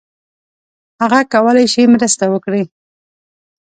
هغه کولای شي مرسته وکړي.